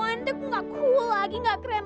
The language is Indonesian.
nanti aku nggak cool lagi nggak keren lagi